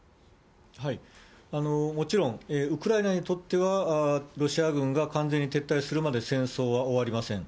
もちろん、ウクライナにとっては、ロシア軍が完全に撤退をするまで戦争は終わりません。